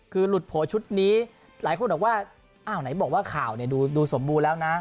คือหลุดโผล่ชุดนี้หลายคนบอกว่าอ้าวไหนบอกว่าข่าวเนี่ยดูสมบูรณ์แล้วนะ